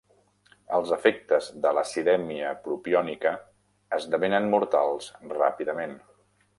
Els efectes de l'acidèmia propiònica esdevenen mortals ràpidament.